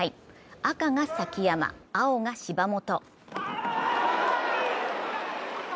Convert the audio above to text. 赤が崎山、青が芝本。